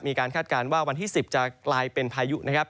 คาดการณ์ว่าวันที่๑๐จะกลายเป็นพายุนะครับ